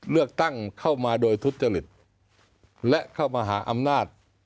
เลือกตั้งเข้ามาโดยทุจริตและเข้ามาหาอำนาจ